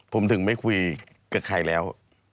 ผมถึงไม่คุยกับใครแล้ว